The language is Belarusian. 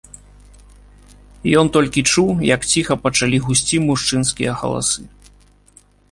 Ён толькі чуў, як ціха пачалі гусці мужчынскія галасы.